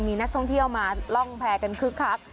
มีนักท่องเที่ยวมาล่องแพรกันคึกคัก